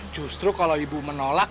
justru kalau ibu menolak